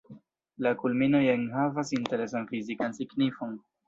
La kulminoj enhavas interesan fizikan signifon.